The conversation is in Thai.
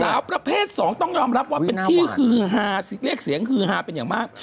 สาวประเภทสองต้องยอมรับว่าเป็นที่ฮือฮาเรียกเสียงฮือฮาเป็นอย่างมาก